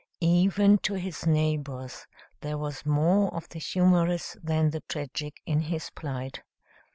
Even to his neighbors, there was more of the humorous than the tragic in his plight.